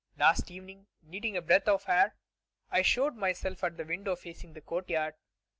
Last evening, needing a breath of air, I showed myself at the window facing the courtyard.